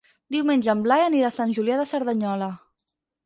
Diumenge en Blai anirà a Sant Julià de Cerdanyola.